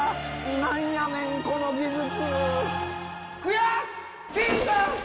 何やねんこの技術。